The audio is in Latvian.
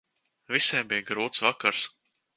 Visiem bija grūts vakars.